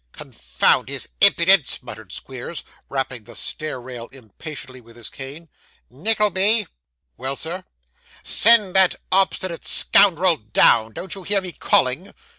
'Confound his impudence!' muttered Squeers, rapping the stair rail impatiently with his cane. 'Nickleby!' 'Well, sir.' 'Send that obstinate scoundrel down; don't you hear me calling?